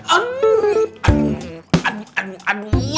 aduh aduh aduh aduh aduh